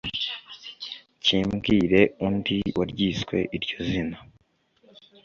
kimbwire undi waryiswe iryo zina